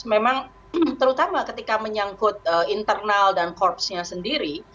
memang terutama ketika menyangkut internal dan korpsnya sendiri